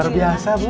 luar biasa bu